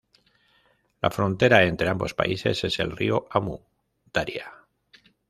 La frontera entre ambos países es el río Amu Daria.